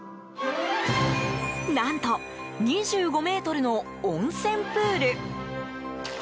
何と２５ｍの温泉プール。